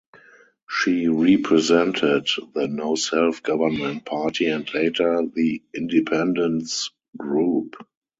She represented the No Self-Government Party and later the Independents Group.